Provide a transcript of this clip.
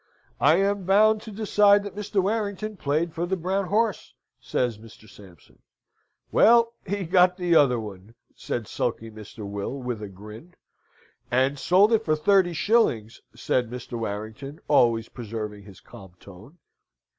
"I am bound to decide that Mr. Warrington played for the brown horse," says Mr. Sampson. "Well, he got the other one," said sulky Mr. Will, with a grin. "And sold it for thirty shillings!" said Mr. Warrington, always preserving his calm tone.